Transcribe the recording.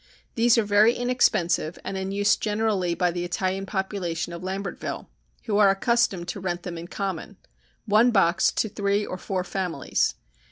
These are very inexpensive and in use generally by the Italian population of Lambertville, who are accustomed to rent them in common one box to three or four families.